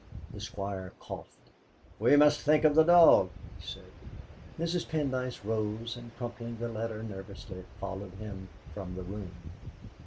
The Squire coughed. "We must think of the dog!" he said. Mrs. Pendyce rose, and crumpling the letter nervously, followed him from the room.